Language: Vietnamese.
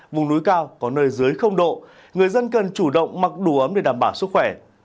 vùng núi cao có nơi dưới độ người dân cần chủ động mặc đủ ấm để đảm bảo sức khỏe